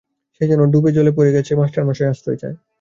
সে যেন ডুব-জলে পড়ে গেছে, মাস্টারমশায়ের আশ্রয় চায়।